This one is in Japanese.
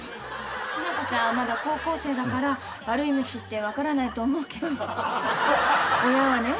日奈子ちゃんはまだ高校生だから悪い虫って分からないと思うけど親はね